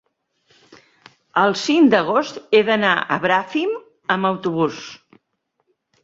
el cinc d'agost he d'anar a Bràfim amb autobús.